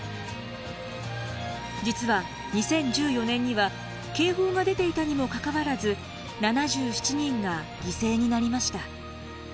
実は２０１４年には警報が出ていたにもかかわらず７７人が犠牲になりました。